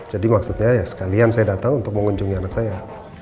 jadi maksudnya ya sekalian saya datang untuk mengunjungi anak saya